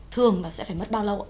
thường là sẽ phải mất bao lâu ạ